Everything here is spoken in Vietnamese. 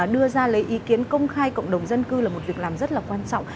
đưa ra lấy ý kiến công khai cộng đồng dân cư là một việc làm rất là quan trọng